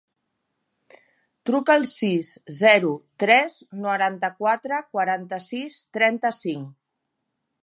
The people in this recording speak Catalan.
Truca al sis, zero, tres, noranta-quatre, quaranta-sis, trenta-cinc.